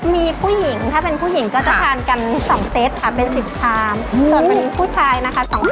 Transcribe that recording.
มีผู้หญิงถ้าเป็นผู้หญิงก็จะทานกัน๒เซ็ตเป็น๑๐ช้ามส่วนตอนนี้ผู้ชายนะคะ๒๐๒๑ช้าม